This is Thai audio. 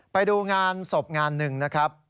ไปดูงานศพงานหนึ่งนะครับ